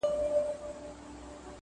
هري خوا ته يې سكروټي غورځولي!!